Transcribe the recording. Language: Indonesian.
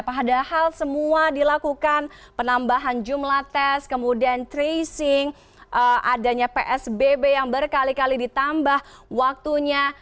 padahal semua dilakukan penambahan jumlah tes kemudian tracing adanya psbb yang berkali kali ditambah waktunya